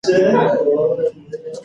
علم د ښځو لپاره ځواک دی.